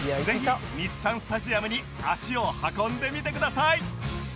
ぜひ日産スタジアムに足を運んでみてください！